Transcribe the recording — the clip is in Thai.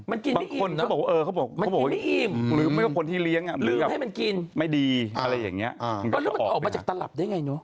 มันกินไม่อิ่มเนอะมันกินไม่อิ่มหรือเป็นคนที่เลี้ยงอ่ะหรือแบบไม่ดีอะไรอย่างนี้มันก็ออกไปอย่างนี้อ่าหรือมันออกมาจากตลับได้ยังไงเนอะ